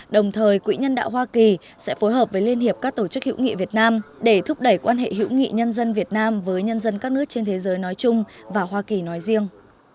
đồng thời quỹ nhân đạo hoa kỳ sẽ phối hợp với liên hiệp các tổ chức hữu nghị việt nam để thúc đẩy quan hệ hữu nghị nhân dân việt nam với nhân dân các nước trên thế giới nói chung và hoa kỳ nói riêng